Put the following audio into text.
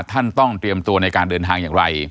ต้องเตรียมตัวในการเดินทางอย่างไร